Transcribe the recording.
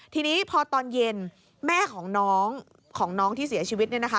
ทีนี้พอตอนเย็นแม่ของน้องของน้องที่เสียชีวิตเนี่ยนะคะ